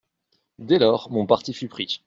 Dès lors, mon parti fut pris.